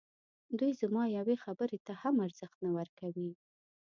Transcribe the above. دوی زما یوې خبري ته هم ارزښت نه ورکوي.